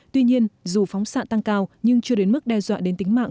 tuy nhiên dù phóng xạ tăng cao nhưng chưa đến mức đe dọa đến tính mạng